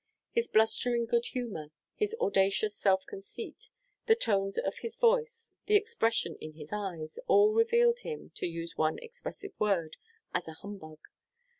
His blustering good humour, his audacious self conceit, the tones of his voice, the expression in his eyes, all revealed him (to use one expressive word) as a humbug.